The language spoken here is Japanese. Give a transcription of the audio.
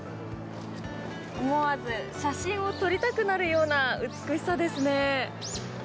思わず写真を撮りたくなるような美しさですね。